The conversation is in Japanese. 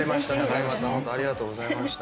ホントありがとうございました。